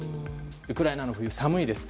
ウクライナの冬、寒いです。